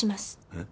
えっ？